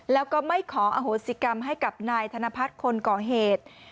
แล้วก็ไม่ขออโหสิกรรมให้กับนายธนพัฒน์คนก่อเหตุ